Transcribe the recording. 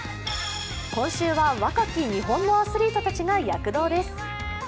今週は若き日本のアスリートたちが躍動です。